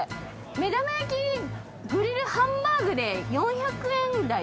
目玉焼きグリルハンバーグで４００円台ですよ。